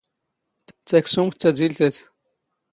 ⵜⴰⴽⵙⵓⵎⵜ ⵜⴰⴷⵉⵍⵜⴰⵜ.